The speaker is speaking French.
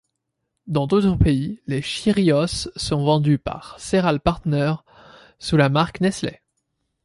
Dans d'autres pays, les Cheerios sont vendues par Cereal Partners, sous la marque Nestlé.